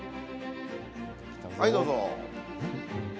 はい、どうぞ。